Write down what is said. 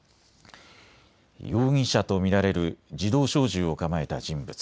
容疑者と見られる自動小銃を構えた人物。